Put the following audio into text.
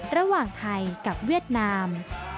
ระหว่างไทยกับเวียดนาม